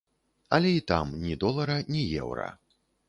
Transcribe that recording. Але і там ні долара ні еўра.